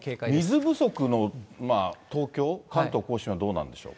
水不足の東京、関東甲信はどうなんでしょう。